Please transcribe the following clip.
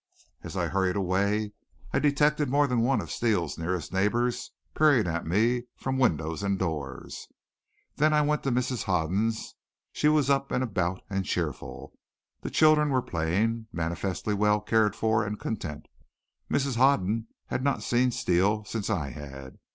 As I hurried away I detected more than one of Steele's nearest neighbors peering at me from windows and doors. Then I went to Mrs. Hoden's. She was up and about and cheerful. The children were playing, manifestly well cared for and content. Mrs. Hoden had not seen Steele since I had.